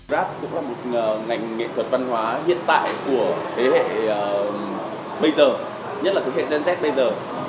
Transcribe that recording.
rap cũng là một ngành nghệ thuật văn hóa hiện tại của thế hệ bây giờ nhất là thế hệ gen z bây giờ